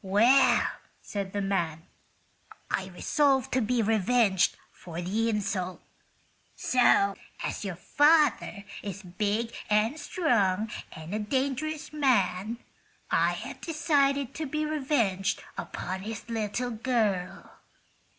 Well," said the man, "I resolved to be revenged for the insult. So, as your father is big and strong and a dangerous man, I have decided to be revenged upon his little girl."